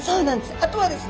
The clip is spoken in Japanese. あとはですね